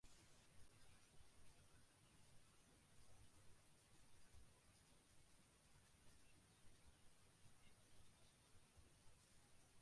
যদি জাহাজটি ডুবে যাবার আগেই দুই হাজার টন পানিকে অপসারণ করে ফেলে তাহলে জাহাজটি আর না ডুবে এবার ভেসে থাকবে।